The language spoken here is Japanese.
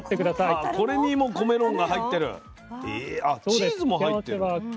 チーズも入ってる。